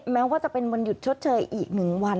แม้ว่าจะเป็นวันหยุดชดเชยอีก๑วัน